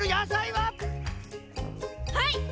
はい！